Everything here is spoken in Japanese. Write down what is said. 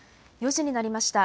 ４時になりました。